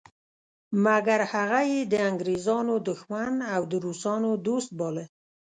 مګر هغه یې د انګریزانو دښمن او د روسانو دوست باله.